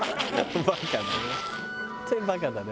「バカだね。